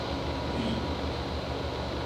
フリー